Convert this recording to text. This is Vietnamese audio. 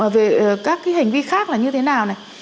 về các cái hành vi khác là như thế nào này